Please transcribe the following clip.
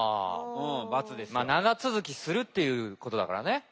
まあ長続きするっていうことだからね。